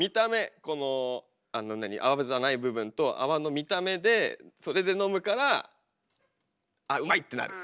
このあの何泡じゃない部分と泡の見た目でそれで飲むから「あうまい！」ってなる。